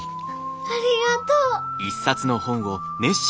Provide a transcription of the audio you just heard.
ありがとう！